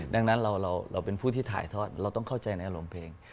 ดังนั้นเราเป็นผู้ที่ถ่ายทอดเราต้องเข้าใจในอารมณ์เพลง